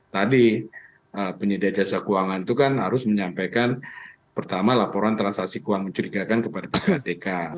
tadi penyedia jasa keuangan itu kan harus menyampaikan pertama laporan transaksi keuangan mencurigakan kepada ppatk